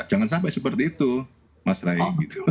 jangan sampai seperti itu mas rey